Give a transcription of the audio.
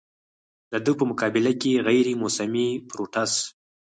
د دې پۀ مقابله کښې غېر موسمي فروټس